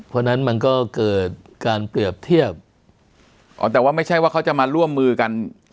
เพราะฉะนั้นมันก็เกิดการเปรียบเทียบอ๋อแต่ว่าไม่ใช่ว่าเขาจะมาร่วมมือกัน